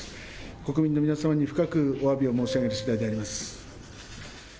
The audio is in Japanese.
国民の皆様に深くおわびを申し上げるしだいであります。